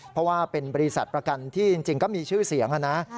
เพราะว่าเป็นบริษัทประกันที่จริงก็มีชื่อเสียงนะ